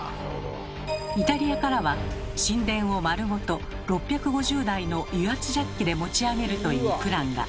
イタリアからは神殿を丸ごと６５０台の油圧ジャッキで持ち上げるというプランが。